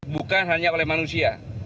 bukan hanya oleh manusia